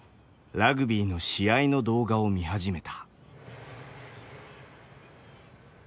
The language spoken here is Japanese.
ラグビーの試合の動画を見始めた。